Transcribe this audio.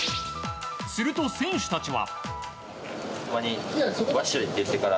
すると選手たちは。